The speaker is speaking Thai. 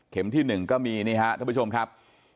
เข็มที่๑ก็มีนะครับท่านผู้ชมครับ